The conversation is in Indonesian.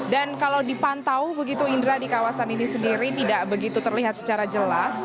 dan kalau dipantau begitu indra di kawasan ini sendiri tidak begitu terlihat secara jelas